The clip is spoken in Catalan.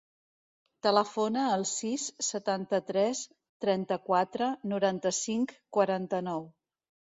Telefona al sis, setanta-tres, trenta-quatre, noranta-cinc, quaranta-nou.